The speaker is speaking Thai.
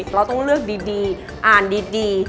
เราต้องเลือกดีอ่านดี